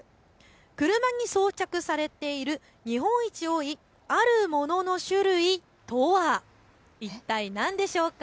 車に装着されている日本一多いあるものの種類とは一体、何でしょうか。